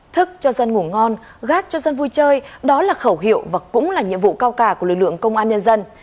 thức cho dân ngủ ngon gác cho dân vui chơi đó là khẩu hiệu và cũng là nhiệm vụ cao cả của lực lượng công an nhân dân